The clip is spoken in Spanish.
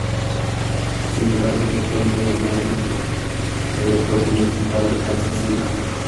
Sin embargo fue pronto llamado "Aeropuerto Municipal de Kansas City".